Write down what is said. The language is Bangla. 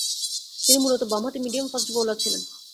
তিনি মূলতঃ বামহাতি মিডিয়াম ফাস্ট বোলার ছিলেন।